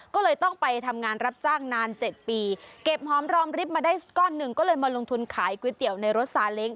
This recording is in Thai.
ก็เลยต้องไปทำงานรับจ้างนาน๗ปีเก็บหอมรอมริบมาได้ก้อนหนึ่งก็เลยมาลงทุนขายก๋วยเตี๋ยวในรถซาเล้ง